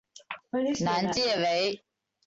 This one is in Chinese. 南界为。